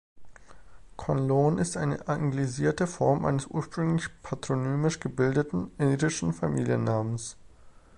Conlon ist eine anglisierte Form eines ursprünglich patronymisch gebildeten irischen Familiennamens.